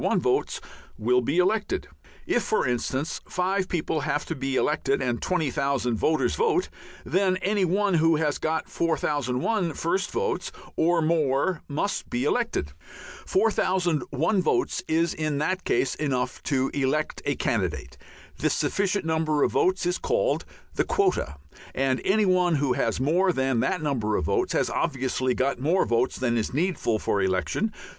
1 votes will be elected. If, for instance, five people have to be elected and 20,000 voters vote, then any one who has got 4001 first votes or more must be elected. 4001 votes is in that case enough to elect a candidate. This sufficient number of votes is called the quota, and any one who has more than that number of votes has obviously got more votes than is needful for election.